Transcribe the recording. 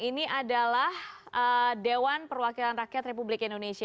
ini adalah dewan perwakilan rakyat republik indonesia